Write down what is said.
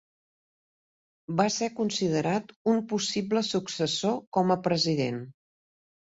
Va ser considerat un possible successor com a president.